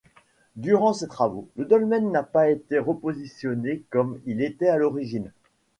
Durant ces travaux, le dolmen n'a pas été repositionné comme il était à l'origine.